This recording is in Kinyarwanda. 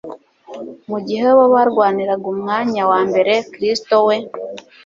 Mu gihe bo barwaniraga umwanya wa mbere, Kristo we,